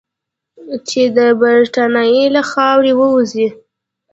چې د برټانیې له خاورې ووځي.